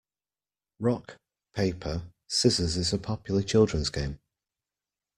Rock, paper, scissors is a popular children's game.